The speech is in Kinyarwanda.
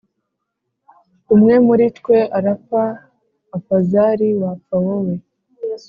umwe muritwe arapfa afazari wapfa wowe